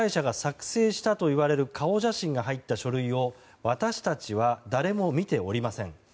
ＰＲ会社が作成したといわれる顔写真が入った書類を私たちは誰も見ておりません。